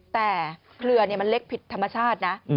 แต่เครือมันเล็กผิดธรรมชาตินะ